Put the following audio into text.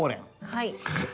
はい。